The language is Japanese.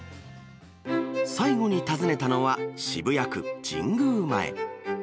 最後に訪ねたのは、渋谷区神宮前。